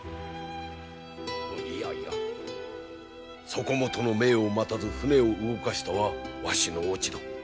いやいやそこもとの命を待たず船を動かしたはわしの落ち度。